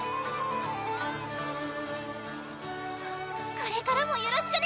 これからもよろしくね！